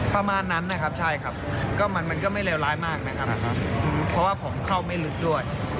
ประมาณนั้นนะครับใช่ครับก็มันก็ไม่เลวร้ายมากนะครับเพราะว่าผมเข้าไม่ลึกด้วย